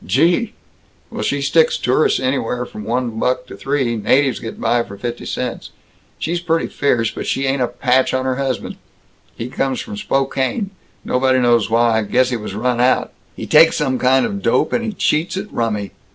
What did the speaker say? Gee! Well, she sticks tourists anywheres from one buck to three. Natives get by for fifty cents. She's pretty fierce, but she ain't a patch on her husband. He comes from Spokane nobody knows why guess he was run out. He takes some kind of dope, and he cheats at rummy."